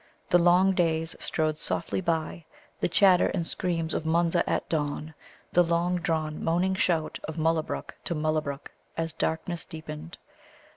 The long days strode softly by, the chatter and screams of Munza at dawn, the long drawn, moaning shout of Mullabruk to Mullabruk as darkness deepened.